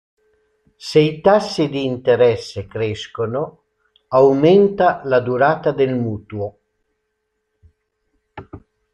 Se i tassi di interesse crescono, aumenta la durata del mutuo.